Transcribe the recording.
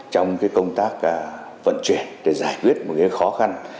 trong cái công tác vận chuyển để giải quyết một cái khó khăn